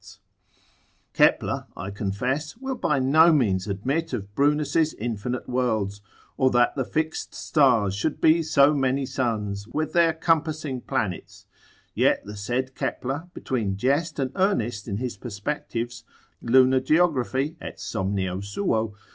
disputes: Kepler (I confess) will by no means admit of Brunus's infinite worlds, or that the fixed stars should be so many suns, with their compassing planets, yet the said Kepler between jest and earnest in his perspectives, lunar geography, & somnio suo, dissertat.